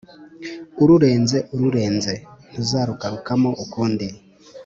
ururenze ururenze: ntuzarugarukamo ukundi.